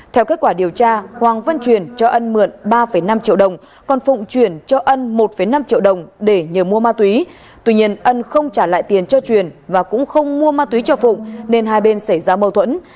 theo kết quả điều tra hoàng văn truyền cho ân mượn ba năm triệu đồng còn phụng chuyển cho ân một năm triệu đồng để nhờ mua ma túy tuy nhiên ân không trả lại tiền cho truyền và cũng không mua ma túy cho phụng nên hai bên xảy ra mâu thuẫn